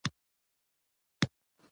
د ولس ګډون مشروعیت زیاتوي